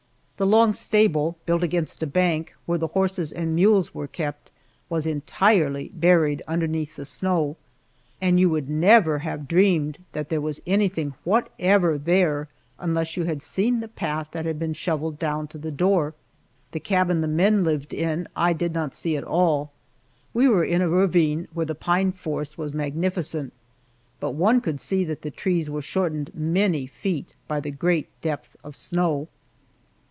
The long stable, built against a bank, where the horses and mules were kept, was entirely buried underneath the snow, and you would never have dreamed that there was anything whatever there unless you had seen the path that had been shoveled down to the door. The cabin the men lived in, I did not see at all. We were in a ravine where the pine forest was magnificent, but one could see that the trees were shortened many feet by the great depth of snow.